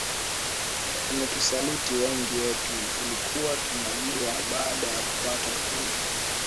wametusaliti wengi wetu tulikuwa tunajua baada ya kupata uhuru